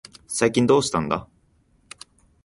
最近どうしたんだ。